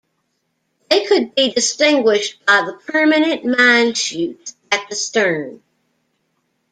They could be distinguished by the permanent mine chutes at the stern.